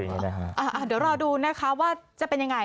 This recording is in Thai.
เดี๋ยวรอดูนะคะว่าจะเป็นยังไง